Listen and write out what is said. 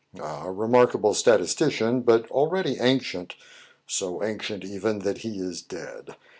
"A remarkable statistician, but already ancient, — so ancient, even, that he is dead.